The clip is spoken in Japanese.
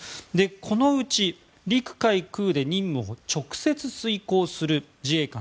このうち、陸海空で任務を直接遂行する自衛官